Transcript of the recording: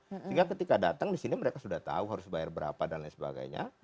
sehingga ketika datang di sini mereka sudah tahu harus bayar berapa dan lain sebagainya